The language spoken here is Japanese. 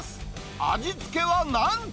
味付けはなんと。